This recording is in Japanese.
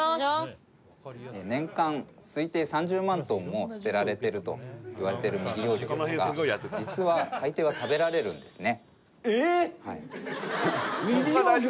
年間推定３０万トンも捨てられているといわれている未利用魚なんですが実は大抵は食べられるんですね。